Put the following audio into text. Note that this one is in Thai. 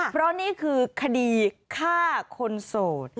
เพราะนี่คือคดีฆ่าคนโสด